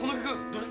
どれ？